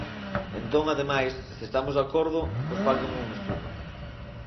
Entón, ademais, se estamos de acordo, pois fagan un estudo.